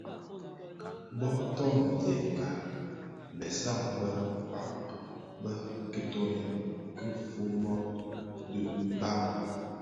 Bō toňdènga besan be kpag bë kitoňèn ki Fumbot dhi Mbam.